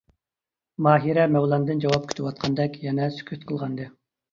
ماھىرە مەۋلاندىن جاۋاب كۈتۈۋاتقاندەك يەنە سۈكۈت قىلغانىدى.